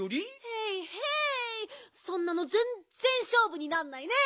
へいへいそんなのぜんぜんしょうぶになんないね！